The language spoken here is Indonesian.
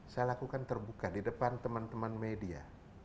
saya lakukan terbuka di depan teman teman media